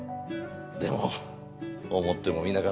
でも思ってもみなかった。